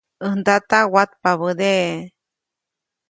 ʼÄj ndata watpabädeʼe.